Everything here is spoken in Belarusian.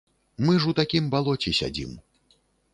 Мы ж у такім балоце сядзім.